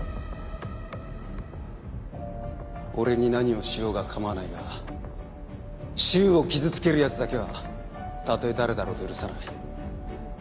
俺に何をしようが構わないが柊を傷つけるヤツだけはたとえ誰だろうと許さない。